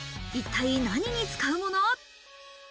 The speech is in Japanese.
一体何に使うもの？